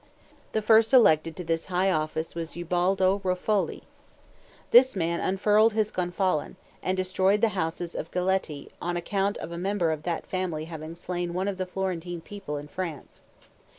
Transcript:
The first elected to this high office was Ubaldo Ruffoli. This man unfurled his gonfalon, and destroyed the houses of the Galletti, on account of a member of that family having slain one of the Florentine people in France.